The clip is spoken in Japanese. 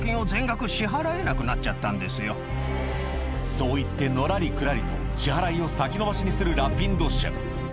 そう言ってのらりくらりと支払いを先延ばしにするラピンド社